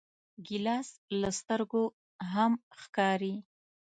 ګیلاس له سترګو هم ښکاري.